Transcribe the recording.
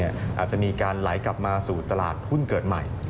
อาจจะมีการไหลกลับมาสู่ตลาดหุ้นเกิดใหม่